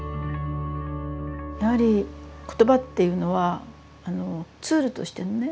やはり言葉っていうのはあのツールとしてのね